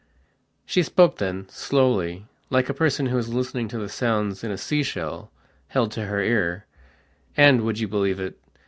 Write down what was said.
She spoke then, slowly, like a person who is listening to the sounds in a sea shell held to her earand, would you believe it?